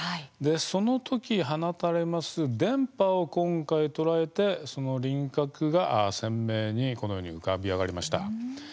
そのとき放たれます電波を今回、捉えてその輪郭が鮮明にこのように浮かび上がりました。